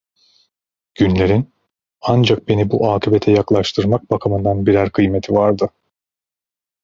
Günlerin, ancak beni bu akıbete yaklaştırmak bakımından birer kıymeti vardı.